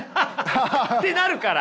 ってなるから。